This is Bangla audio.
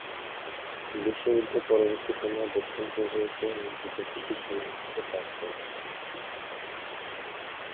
বিশ্বযুদ্ধ পরবর্তী সময়ে দক্ষিণ-পূর্ব এশিয়ায় নিয়োজিত ব্রিটিশ সেনাবাহিনীতে কাজ করেন।